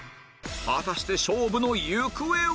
果たして勝負の行方は